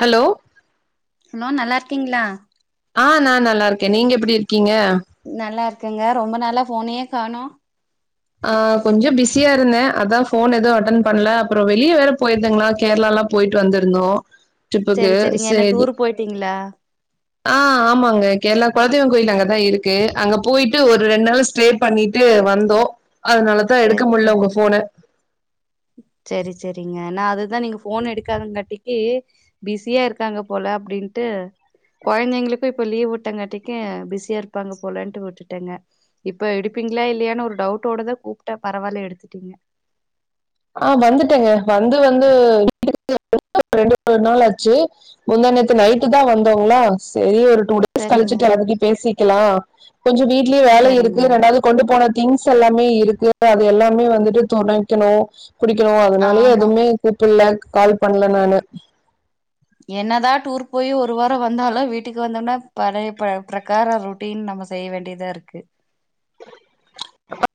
hello hello நல்லா இருக்கீங்களா ஆ நா நல்லா இருக்க நீங்க எப்டி இருக்கீங்க நல்லா இருக்கங்க ரொம்ப நாளா ஃபோனயே காணோ ஆ கொஞ்ச பிஸியா இருந்த அதா போன் எதுவும் அட்டன் பண்ணல அப்பற வெளில வேற போயிருந்தங்களா கேரளாலா போயிட்டு வந்திருந்தோ செரி ட்ரிப்புக்கு செரிங்க என்ன சரி டூர் போயிட்டீங்களா ஆ ஆமாங்க கேரளா கொலதெய்வங் கோயில் அங்கதா இருக்கு அங்க போயிட்டு ஒரு ரெண்டு நாள் ஸ்டே பண்ணிட்டு வந்தோ அதனால தா எடுக்க முல்ல உங்க ஃபோன சரி சரிங்க நா அதுதா நீங்க போன் எடுக்காதங்காட்டிக்கு பிஸியா இருக்காங்க போல அப்டின்ட்டு கொழந்தைங்களுக்கும் இப்ப லீவ் விட்டங்காட்டிக்கும் பிஸியா இருப்பாங்க போலன்ட்டு விட்டுட்டங்க இப்ப எடுப்பீங்களா இல்லையானு ஒரு டவுட்டோடதா கூப்பிட்ட பரவாயில்ல எடுத்துட்டீங்க ஆஹ் வந்துட்டங்க வந்து வந்து வீட்டுக்கு ரெண்டு மூணு நாள் ஆச்சு முந்தாநேத்து நைட்டு தா வந்தோங்களா சரி ஒரு டூடே சரிங்க கழிச்சிட்டு எல்லாதுட்டி பேசிக்கலா கொஞ்ச வீட்லயு வேல இருக்கு சரிங்க ரெண்டாவது கொண்டு போன திங்ஸ் எல்லாமே இருக்கு அது எல்லாமே வந்துட்டு துவைக்கணு குடிக்கணு அதனாலயே ஆமா எதுவுமே கூப்புட்ல கால் பண்ணல நானு என்னதா டூர் போய் ஒரு வாரம் வந்தாலு வீட்டுக்கு வந்தோம்னா பழய பிரகார ரூட் அப்டின்னு நம்ம செய்ய வேண்டியதா இருக்கு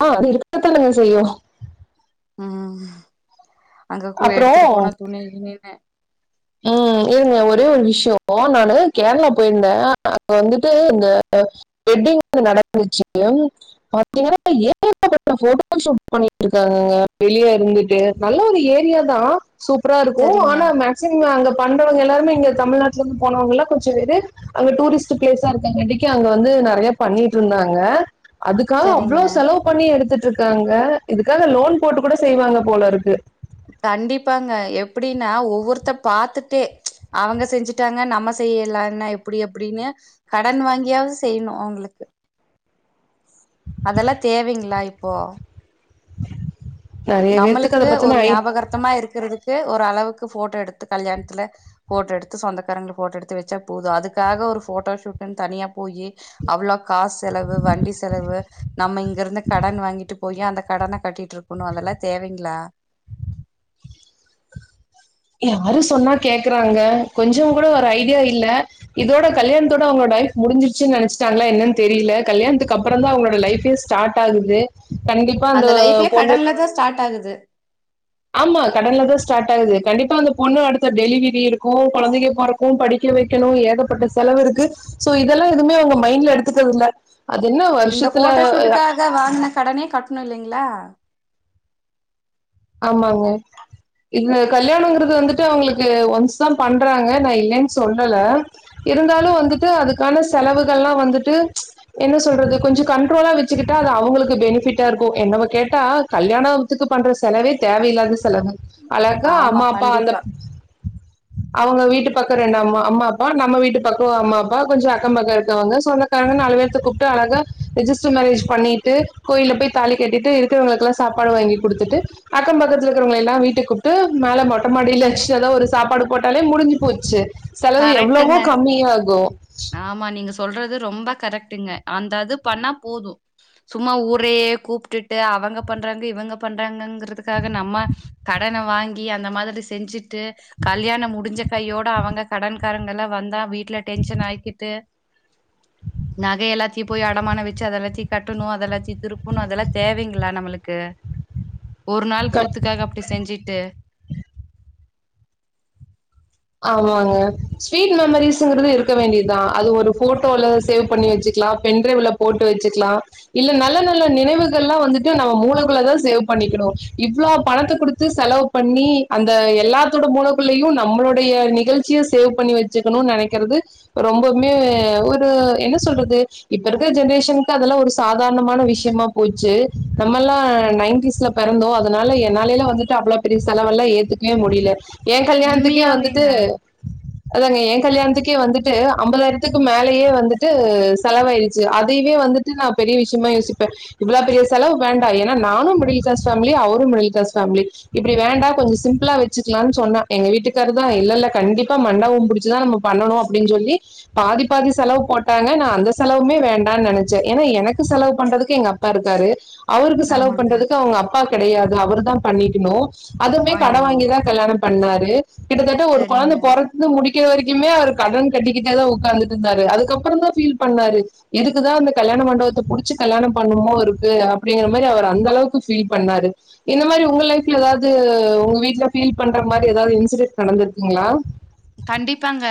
ஆ இருக்க தானங்க செய்யு உம் அங்க கூ அப்புறோ எடுத்துட்டு போனா துணி கினின்னு ஏங்க ஒரே ஒரு விஷய நானு கேரளா போயிருந்த அங்க வந்துட்டு இந்த வெட்டிங் வந்து நடந்துச்சு பாத்தீங்கன்னா ஏகப்பட்ட போட்டோ ஷூட் பண்ணிட்டு இருக்காங்கங்க வெளிய இருந்துட்டு நல்ல ஒரு ஏரியா தா சூப்பரா இருக்கும் சரிங்க ஆனா ம சரிங்க அங்க பண்றவங்கல்லாருமே இங்க தமிழ்நாட்டுலருந்து போனவங்கல்லா கொஞ்ச பேரு அங்க டூரிஸ்ட் பிளேஸா இருக்கங்காட்டி‌ அங்க வந்து நெறைய பண்ணிட்டிருந்தாங்க அதுக்காக அவ்ளோ சரிங்க செலவு பண்ணி எடுத்துட்டிருக்காங்க இதுக்காக லோன் போட்டு கூட செய்வாங்க போல இருக்கு கண்டிப்பாங்க எப்டின்னா ஒவ்வொருத்த பாத்துட்டே அவங்க செஞ்சுட்டாங்க நம்ம செய்யலனா எப்டி அப்டின்னு கடன் வாங்கியாவது செய்யணு அவங்களுக்கு அதெல்லா தேவைங்களா இப்போ நெறைய பேர்த்துக்கு அத பத்துன்னா ஐ சுத்தமா இருக்குறதுக்கு ஒரு அளவுக்கு ஃபோட்டோ எடுத்து கல்யாணத்துல ஃபோட்டோ எடுத்து சொந்தக்காரங்கள ஃபோட்டோ எடுத்து வச்சா போது அதுக்காக ஒரு ஃபோட்டோ ஷூட்டுன்னனு தனியா போய் அவ்ளோ காசு செலவு வண்டி செலவு நம்ம இங்க இருந்து கடன் வாங்கிட்டு போயி அந்த கடன கட்டிட்டு இருக்கணு அதெல்லா தேவைங்களா யாரு சொன்னா கேக்குறாங்க கொஞ்ச கூட ஒரு ஐடியா இல்ல இதோட கல்யாணத்தோட அவங்கலோட லைஃப் முடிஞ்சிருச்சு நினைச்சிட்டாங்களா என்னன்னு தெரில கல்யாணத்துக்கு அப்பறதா அவங்களோட லைஃப்பே ஸ்டார்ட் ஆகுது கண்டிப்பா அந்த லைஃபே பொண்ணு கடன்ல தா ஸ்டார்ட் ஆகுது ஆமா கடன்ல தா ஸ்டார்ட் ஆகுது கண்டிப்பா அந்த பொண்ணு அடுத்து டெலிவரி இருக்கும் குழந்தங்க பொறக்கு படிக்க வைக்கணு ஏகப்பட்ட செலவு இருக்கு சோ இதெல்லா எதுவுமே அவங்க மைண்ட்ல எடுத்துக்கிறது இல்ல அதென்ன வருஷத்துல [unintelligible] அங்க வாங்குன கடனே கட்டணு இல்லைங்களா ஆமாங்க இது கல்யாணங்கறது வந்துட்டு அவங்களுக்கு ஒன்ஸ் தா பண்றாங்க நா இல்லன் சொல்லல இருந்தாலு வந்துட்டு அதுக்கான செலவுகள்ல்லா வந்துட்டு என்ன சொல்றது கொஞ்சோ கண்ட்ரோலா வச்சிக்கிட்டா அது அவங்களுக்கு பெனிஃபிட்டா இருக்கு என் நம்ம கேட்டா கல்யாணத்துக்கு பண்ற செலவே தேவையில்லாத செலவு அழகா ஆமா அம்மா அப்பா அந்த கண்டிப்பா அவங்க வீட்டு பக்கோ ரெண்டு அம்மா அம்மா அப்பா நம்ம வீட்டு பக்கோ அம்மா அப்பா கொஞ்சோ அக்கம்பக்கோ இருக்கவங்க சொந்த காங்க நாலு பேர்த்த கூப்ட்டு அழகா ரிஜிஸ்டர் மேரேஜ் பண்ணிட்டு கோயில்ல போய் தாலி கட்டிட்டு இருக் குறவங்களுக்கெல்லா சாப்பாடு வாங்கி குடுத்துட்டு அக்கம் பக்கத்துல இருக்கிறவங்கள எல்லா வீட்டுக்கு கூப்ட்டு மேல மொட்ட மாடில வச்சு ஏதோ ஒரு சாப்பாடு போட்டாலே முடிஞ்சு போச்சு செலவு எவ்வளவோ கரெக்ட்டுங்க கம்மி ஆகு ஆமா நீங்க சொல்றது ரொம்ப கரெக்ட்டுங்க அந்த அது பண்ணா போது சும்மா ஊரையே கூப்ட்டுட்டு அவங்க பண்றாங்க இவங்க பண்றாங்கங்கறதுக்காக நம்ம கடன வாங்கி அந்த மாதிரி செஞ்சு ட்டு கல்யாணோ முடிஞ்ச கையோட அவங்க கடன்காரங்கலா வந்தா வீட்ல டென்ஷன் ஆய் கிட்டு நகை எல்லாத்தையு போய் அடமானோ வெச்சு அத வெச்சி கட்டணு அத வெச்சி திருப்பணு அதெல்லா தேவைங்களா நம்மளுக்கு ஒரு நாள் க கூத்துக்காக அப்டி செஞ்சிட்டு ஆமாங்க ஸ்வீட் மெமரிஸ்ங்குறது இருக்க வேண்டியதா அது ஒரு ஃபோட்டோல சேவ் பண்ணி வெச்சிக்லா பென் ட்ரைவ்ல போட்டு வெச்சிக்லா இல்ல நல்ல நல்ல நினைவுகள்லா வந்துட்டு நம்ம மூளைக்குள்ள தா சேவ் பண்ணிக்கணு இவ்ளோ பணத்த குடுத்து செலவு பண்ணி அந்த எல்லாத்தோட மூளைக்குள்ளயு நம்மளோட டைய நிகழ்ச்சிய சேவ் பண்ணி வெச்சுக்கணு நெனைக்கிறது ரொம்பவுமே ஒரு என்ன சொல்றது இப்ப இருக்கிற ஜென்ரேஷன்க்கு அதெல்லா ஒரு சாதாரணமான விஷயமா போச்சு நம்ம எல்லா நைன்ட்டிஸ்ல பிறந்தோ அதனால என்னாலைலா வந்துட்டு அவ்ளோ பெரிய செலவெல்லா ஏத்துக் வே முடியல எ கல்யாணத்துக்கே வந்துட்டு உண்மையாவேங்க அதாங்க எ கல்யாணத்துக்கே வந்துட்டு அம்பதாயிரத்துக்கு மேலயே வந்துட்டு செலவாயிடுச்சு அதயவே வந்து நா பெரிய விஷயமா யோசிப்ப இவ்ளோ பெரிய செலவு வேண்டா ஏன்னா நானு மிடில் கிளஸ் பேஃமிலி அவரு மிடில் கிளாஸ்‌ஃபேமிலி இப்டி வேண்டா கொஞ்சோ சிம்பிளா வச்சிக்கலான் சொன்னா எங்க வீட்டுக்காரு ல இல்லல்ல கணடிப்பா மண்டபோ புடிச்சிதா நம்ம பண்ணணு அப்டின் சொல்லி பாதி பாதி செலவு போட்டாங்க நா அந்த செலவுமே வேண்டான் நினைச்ச ஏன்னா எனக்கு செலவு பண்றதுக்கு எங்கப்பா பா ருக்காரு அவருக்கு செலவு ஆமாங்க பண்றதுக்கு அவங்க அப்பா கெடையாது அவரு தா பண்ணிக்ணு அதுமே கடன் ஐயோ வாங்கிதா கல்யாணம் பண்ணாரு கிட்டத்தட்ட ஒரு கொழந்த சரிங்க பொற து முடிக்க வரைக்குமே அவர் கடன் கட்டிக்கிட்டே தா உக்காந்துட்டு இருந்தாரு அதுக்கப்புறோ தா ஃபீல் பண்ணாரு எதுக்குதா அந்த கல்யாண மண்டபத்த புடிச்சி கல்யாணோ பண்ணுமோ இருக்கு அப்டிங்கிற மாரி அவர் அந்த அளவுக்கு ஃபீல் பண்ணாரு இந்த மாரி உங்க லைஃப்ல ஏதாது உங்க வீட்ல ஃபீல் பண்ற மாரி ஏதாவது இன்சிடென்ட் நடந்திருக்குங்களா கண்டிப்பாங்க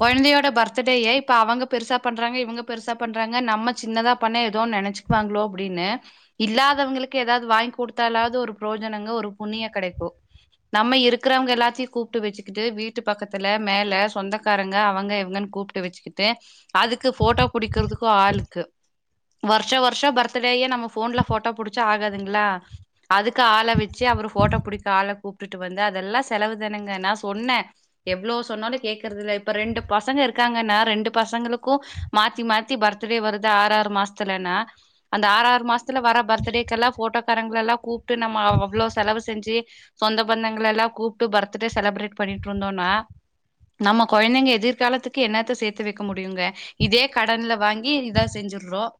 கொழந்தையோட பர்த்டேய இப்ப அவங்க பெருசா பண்றாங்க இவங்க பெருசா பண்றாங்க நம்ம சின்னதா பண்ண ஏதோ நினச் கு வாங்ளோ அப்டின்னு இல்லாதவங்களுக்கு ஏதாது வாங்கி குடுத்தாலாவது ஒரு புரோஜனங்க ஒரு புண்ணியோ கடைக்கு நம்ம இருக்கிறவங்க எல்லாத்தையு கூப்ட்டு வச்சிகிட்டு வீட் வீட்டு பக்கத்துல மேல சொந்தக்காரங்க அவங்க இவங்கன் கூப்ட்டு வச்சிக்கிட்டு அதுக்கு ஃபோட்டோ புடிக்கிறதுக்கு ஆளுக்கு வருஷ வருஷம் பர்த்டேயே நம்ம ஃபோன்ல போட்டோ புடிச்சா ஆகாதுங்ளா அதுக்கு ஆள வச் ச்சு அவரு ஃபோட்டோ புடிக்க ஆள கூப்டுட்டு வந்து அதெல்லாம் செலவு தானுங்க நா சொன்னே எவ்ளவு சொன்னாலு கேக்குறது இல்ல இப்ப ரெண்டு பசங்க இருக்காங்கன்னா ரெண்டு பசங்களுக்கும் மாத்தி மாத்தி பர்த்டே வருது ஆறு ஆறு மாசத்துலனா அந்த ஆறாறு மாசத் த்துல வர பர்த்டேக்கெல்லா ஃபோட்டோக்காரங்கள எல்லா கூப்ட்டு நம்ம அவ்ளவு செலவு செஞ்சு சொந்த பந்தங்கள் எல்லா கூப்ட்டு பர்த்டே செலிப்ரேட் பண்ணிட்டு இருந்தோம்னா நம்ம குழந்தைங்க எதிர்காலத்துக்கு என்னத்த சேத்து வைக்க முடியுங்க இதே கடன்ல வாங்கி இதான் செஞ்சுறோம்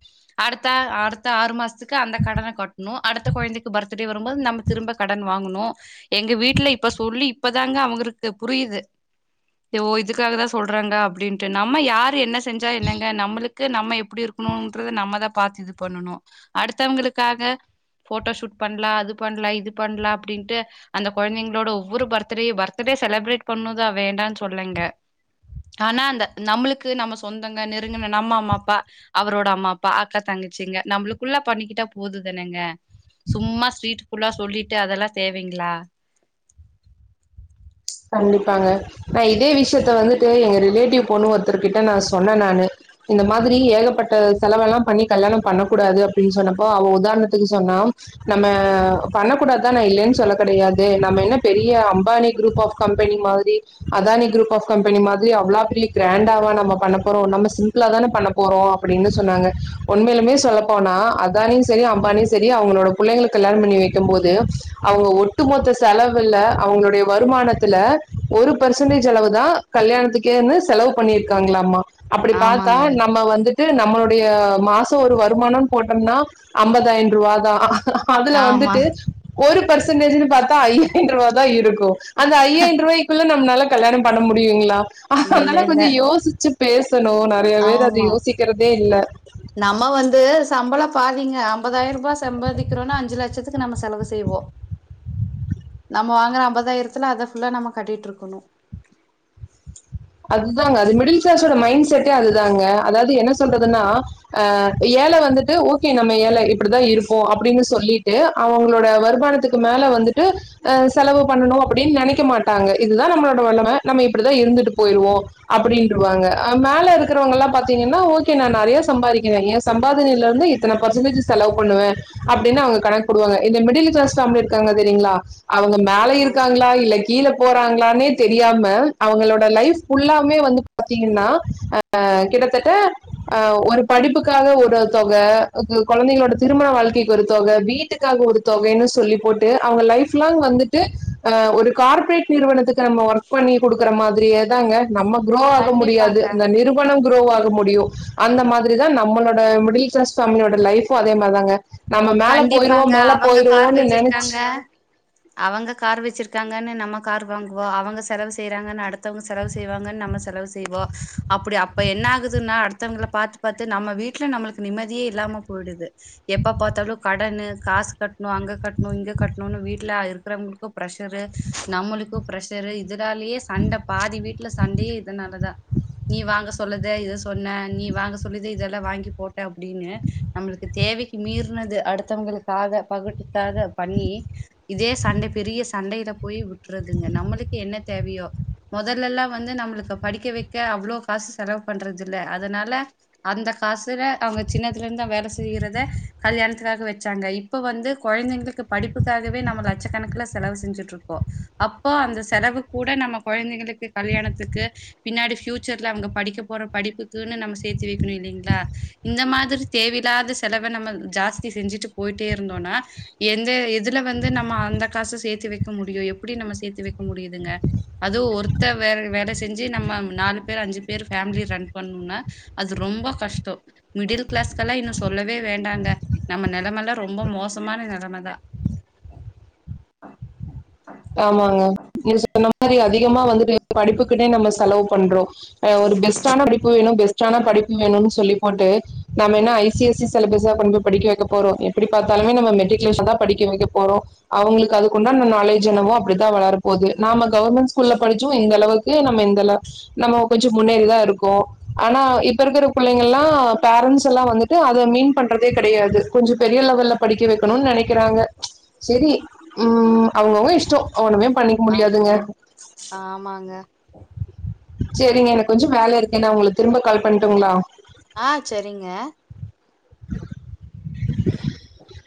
அடுத்த அடுத்த ஆறு மாசத்துக்கு அந்த கடன கட்ணும் அடுத்த குழந்தைக்கு பர்த்டே வரும்போது நம்ம திரும்ப கடன் வாங்கணு எங்க வீட்ல இப்ப சொல்லி இப்பதாங்க அவரு க்கு புரியுது ஓ இதுக்காக தா சொல்றாங்க அப்டின்ட்டு நம்ம யாரு என்ன செஞ்சா என்னங்க நம்மளுக்கு நம்ம எப்டி இருக்கணும்றத நம்மதா பாத்து இது பண்ணணு அடுத்தவங்களுக்காக ஃபோட்டோ ஷூட் பண்ணலா அது பண்ணலா இது பண்ணலா அப்டின்ட்டு அந்த குழந்தைங்களோட ஒவ்வொரு பர்த்டேயும் பர்த் பர்த்டே செலிப்ரேட் பண்ணு தா வேண்டாம்னு சொல்லங்க ஆனா அந்த நம்மளுக்கு நம்ம சொந்தங்க நெருங்குன நம்ம அம்மா அப்பா அவரோட அம்மா அப்பா அக்கா தங்கிச்சிங்க நம்மளுக்குள்ள பண்ணிக்கிட்டா போதுதானுங்க சும்மா ஸ்ட்ரீட் ஃபுல்லா சொல்லிட்டு அதெல்லா தேவைங்ளா கண்டிப்பாங்க நா இதே விஷயத்த வந்துட்டு எங்க ரிலேட்டிவ் பொண்ணு ஒருத்தர்கிட்ட நா சொன்னே நானு இந்த மாதிரி ஏகப்பட்ட செலவு எல்லாம் பண்ணி கல்யாணம் பண்ணக்க கூடாது அப்டின்னு சொன்னப்போ அவ உதாரணத்துக்கு சொன்னா நம்ம பண்ணக்கூடாது தா நா இல்லைன்னு சொல்ல கிடையாது நம்ம என்ன பெரிய அம்பானி குரூப் ஆஃப் கம்பெனி மாதிரி அதானி குரூப் ஆஃப் கம்பெனி மாதிரி அவ்ளா பெரிய கிராண்டாவா நம்ம பண்ண போறோம் நம்ம சிம்பிளா தான பண்ண போறோ அப்டின்னு சொன்னாங்க உண்மையிலுமே சொல்லப்போனா அதானியும் சரி அம்பானியும் சரி அவுங்களோட புள்ளைங்களுக்கு கல்யாணம் பண்ணி வைக்கும் போது அவங்க ஒட்டுமொத்த செலவுல்ல அவங்களுடைய வருமானத்தை ல ஒரு பர்சன்டேஜ் அளவு தா கல்யாணத்துக்கேனு செலவு பண்ணிருக்காங்களாமா அப்டி பாத்தா ஆமாங்க நம்ம வந்து நம்மளுடைய மாசோ ஒரு வருமானம்னு போட்டோம்னா ஐம்பதாயிரம் ரூபா தா அதுல ஆமா வந்துட்டு ஒரு பெர்சன்டேஜ்னு பாத்தா ஐயாயிர ரூபா தா இருக்கு அந்த ஐயாயிரம் ரூபாய்குள்ள நம்மளால கல்யாணம் பண்ண முடியுங்களா இல்ல அதனால இல்ல கொஞ்சோ யோசிச்சு பேசணும் நெறைய பேர் அது ஆமா யோசிக்கிறதே இல்ல நம்ம வந்து சம்பளம் பாதிங்க ஐம்பதாயிரம் ரூபா சம்பாதிக்கிறோம்னா அஞ்சு லட்சத்துக்கு நம்ம செலவு செய்வோ நம்ம வாங்குற ஐம்பதாயிரத்துல அதை ஃபுல்லா நம்ம கட்டிட்டு இருக்கணு அதுதாங்க அது மிடில் கிளாஸோட மைண்ட் செட்டே அதுதாங்க அதாவது என்ன சொல்றதுனா அ ஏழ வந்துட்டு ஓகே நம்ம ஏழ இப்படிதா இருப்போம் அப்டின்னு சொல்லிட்டு அவுங்களோட வருமானத்துக்கு மேல வந்துட்டு அ செலவு பண்ணணு அப்டின்னு நெனைக்க மாட்டாங்க இதுதா நம்மளோட நெலம நம்ம இப்டிதா இருந்துட்டு போயிருவோ அப்டின்றுவாங்க அ மேல இருக்கிறவங்கள்ளா பாத்தீங்கனா ஓகே நா நெறைய சம்பாதிக்கிறே ஏ சம்பாதனையில இருந்து இத்தன பர்சன்டேஜ் செலவு பண்ணுவே அப்டின்னு அவுங்க கணக்குபோடுவாங்க இந்த மிடில் கிளாஸ் ஃபேம்லி இருக்காங்க தெரியுங்ளா அவுங்க மேல இருக்காங்ளா இல்ல கீழ போறாங்ளானே தெரியாம அவுங்களோட லைஃப் ஃபுல்லாவ்மே வந்து பாத்தீங்கனா அ கிட்டத்தட்ட அ ஒரு படிப்புக்காக ஒரு தொக குழந்தைங்களோட திருமண வாழ்க்கைக்கு ஒரு தொக வீட் க்காக ஒரு தொகைன்னு சொல்லி போட்டு அவங்க லைப் லாங் வந்துட்டு ஒரு கார்ப்ரேட் நிறுவனத்துக்கு நம்ம ஒர்க் பண்ணி குடுக்குற மாதிரியே தாங்க நம்ம குரோ ஆக முடியாது கண்டிப்பாங்க அந்த நிரு வனு க்ரோ ஆக முடியு அந்த மாதிரி தா நம்மளோட மிடில் க்ளாஸ் ஃபேமிலியோட லைஃபு அதே மார் தாங்க நம்ம மேல போயிருவோ கண்டிப்பாங்க மேல அவங்க கார் போயிடுவோன்னு நெனச் வச்சிருக்காங்க அவங்க கார் வெச்சிருக்காங்கனு நம்ம காரு வாங்குவோ அவங்க செலவு செய்றாங்கனு அடுத் த்தவங்க செலவு செய்வாங்கன்னு நம்ம செலவு செய்வோ அப்படி அப்ப என்ன ஆகுதுன்னா அடுத்தவங்கள பாத்து பாத்து நம்ம வீட்ல நம்மளுக்கு நிம்மதியே இல்லாம போய்டுது எப்பப் பாத்தாலு கடன்னு காசு கட்னு அங்க கட்னு இங்க கட்னுனு வீட்ல இருக்கிறவங்களுக்கு ப்ரெஷரு நம்மளுக்கு ப்ரெஷரு இதுனாலியே சண்ட பாதி வீட்ல சண்டையே இது நாலதா நீ வாங்க சொல்லுத இத சொன்ன நீ வாங்க சொல்லுத இதெல்லா வாங்கி போட்ட அப்டினு நம்மளுக்கு தேவைக்கு மீறினது அடுத்தவங்களுக்காக பகுட்டுக்காக பண்ணி இதே சண்டை பெரிய சண்டையில போய் வுட்டுறதுங்க நம்மளுக்கு என்ன தேவையோ மொதலெல்லா வந்து நம்மளுக்கு படிக்க வெக்க அவ்ளோ காசு செலவு பண்றதில்ல அதனால அந்த காசுல அவங்க சின்னதுலேர்ந்து வேல செய்யிறத கல்யாணத்துக்காக வெச்சாங்க இப்போ வந்து கொழந்திங்ளுக்கு படிப்புக்காகவே நம்ம லட்சக்கணக்குல செலவு செஞ்சுட்ருக்கோ அப்போ அந்த செலவு கூட நம்ம கொழந்திகளுக்கு கல்யாணத்துக்கு பின்னாடி ஃப்யூச்சர்ல அவங்க படிக்க போற படிப்புக்குன்னு நம்ம சேத்தி வெக்கணு இல்லீங்ளா இந்த மாதிரி தேவையில்லாத செலவ நம்ம ஜாஸ்தி செஞ்சுட்டு போய்ட்டே இருந்தோன்னா எந்த எதுல வந்து நம்ம அந்த காசு சேத்து வெக்க முடியு எப்பிடி நம்ம சேத்து வெக்க முடியுதுங்க அதுவு ஒருத்த வே வேல செஞ்சு நம்ம நாலு பேரு அஞ்சு பேரு ஃபேமிலி ரன் பண்ணுன்னா அது ரொம்ப கஷ்ட மிடில் க்ளாஸ்கல்லா இன்னு சொல்லவே வேண்டாங்க நம்ம நெலமெல்லா ரொம்ப மோசமான நெலம தா ஆமாங்க நீங்க சொன்ன மாரி அதிகமா வந்துட்டு படிப்புக்குனே நம்ம செலவு பண்றோ அ ஒரு பெஸ்ட்டான படிப்பு வேணு பெஸ்டான படிப்பு வேணுன்னு சொல்லி போட்டு நம்ம என்ன ஐ சி எஸ் சி சிலபஸா கொண்டு போய் படிக்க வெக்க போறோ எப்படி பாத்தாலுமே நம்ம மெட்ரிகுலேஷன்தா படிக்க வெக்க போறோ அவுங்களுக்கு அதுக்குண்டான நாலே ஜ் என்னவோ அப்படித்தா வளர போது நாம கவர்மெண்ட் ஸ்கூல்ல படிச்சோ இந்தளவுக்கு நம்ம இந்த நம்ம கொஞ்சொ முன்னேறிதா இருக்கோ ஆனா இப்ப இருக்கிற புள்ளைங்கள்ளா பேரண்ஸெல்லா வந்துட் டு அத மீன் பண்றதே கெடையாது கொஞ்சு பெரிய லெவல்ல படிக்க வெக்கணுன் நெனைக்கிறாங்க செரி ம் அவுங்கவுங்க இஷ்டோ ஒன்னுமே பண்ணிக் ஆமாங்க ஆமாங்க செரிங்க எனக்கு கொஞ்சொ வேல இருக்கு நா உங்களுக்கு திரும்ப கால் பண்ட்டுங்ளா ஆ செரிங்க [inaudible]